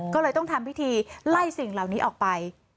ก็เลยต้องทำพิธีไล่สิ่งเหล่านี้ออกไป